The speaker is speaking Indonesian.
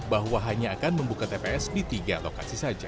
bahwa hanya akan membuka tps di tiga lokasi saja